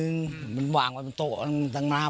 ก็ไปทำด้วยเรื่องนั้น